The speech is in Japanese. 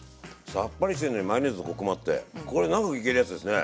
さっぱりしてるのにマヨネーズのコクもあってこれ長くいけるやつですね。